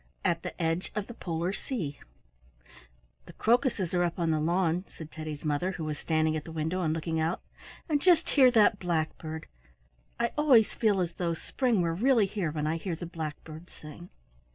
AT THE EDGE OF THE POLAR SEA The crocuses are up on the lawn," said Teddy's mother, who was standing at the window and looking out. "And just hear that blackbird! I always feel as though spring were really here when I hear the blackbirds sing."